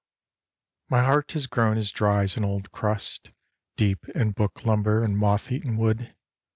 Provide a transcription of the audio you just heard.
My heart has grown as dry as an old crust, Deep in book lumber and moth eaten wood.